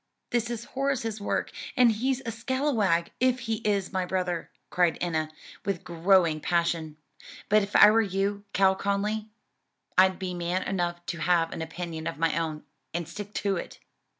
"This is Horace's work, and he's a scalawag, if he is my brother," cried Enna, with growing passion, "but if I were you, Cal Conly, I'd be man enough to have an opinion of my own, and stick to it."